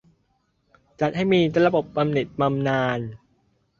จัดให้มีระบบบำเหน็จบำนาญ